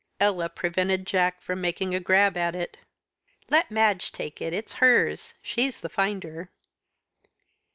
Ella prevented Jack from making a grab at it. "Let Madge take it it's hers she's the finder."